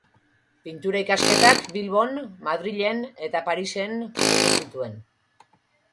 Pintura ikasketak Bilbon, Madrilen eta Parisen egin zituen.